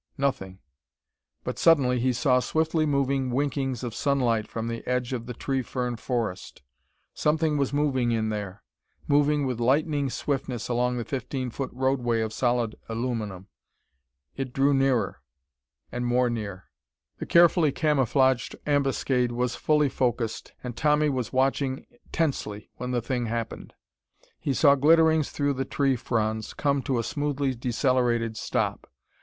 Nothing.... But suddenly he saw swiftly moving winkings of sunlight from the edge of the tree fern forest. Something was moving in there, moving with lightning swiftness along the fifteen foot roadway of solid aluminum. It drew nearer, and more near.... The carefully camouflaged ambuscade was fully focussed and Tommy was watching tensely when the thing happened. He saw glitterings through the tree fronds come to a smoothly decelerated stop.